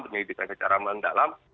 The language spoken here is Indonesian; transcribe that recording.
penelitian secara mendalam